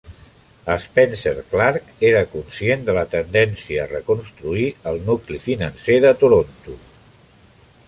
Spencer Clark era conscient de la tendència a reconstruir el nucli financer de Toronto.